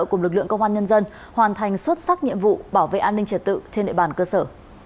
cùng lực lượng công an nhân dân hoàn thành xuất sắc nhiệm vụ bảo vệ an ninh trật tự trên địa bàn cơ sở